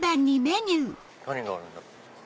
何があるんだろ？